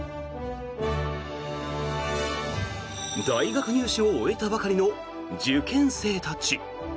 大学入試を終えたばかりの受験生たち。